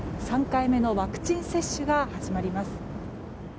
３回目のワクチン接種が始まります。